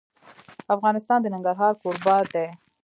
افغانستان د ننګرهار کوربه دی.